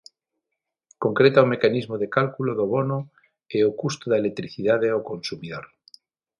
Concreta o mecanismo de cálculo do bono e o custo da electricidade ao consumidor.